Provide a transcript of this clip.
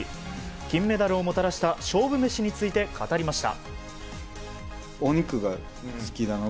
金メダルをもたらした勝負メシについて語りました。